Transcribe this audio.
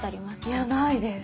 いやないです。